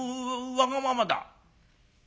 「わがまま。